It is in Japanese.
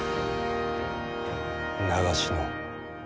長篠。